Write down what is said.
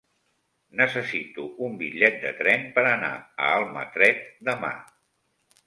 Necessito un bitllet de tren per anar a Almatret demà.